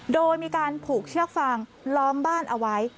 โดยมีการผูกเชือกฟางล้อมบ้านเอาไว้